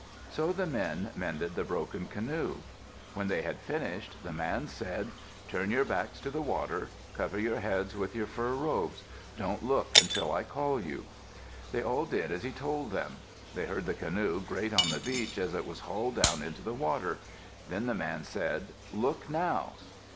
So the men mended the broken canoe. When they had finished, the man said, "Turn your backs to the water. Cover your heads with your fur robes. Don't look until I call you." They all did as he told them. They heard the canoe grate on the beach as it was hauled down into the water. Then the man said, "Look now."